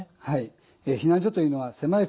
はい。